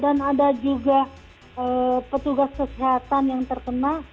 dan ada juga petugas kesehatan yang terkena